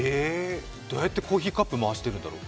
どうやってコーヒーカップ回してるんだろ？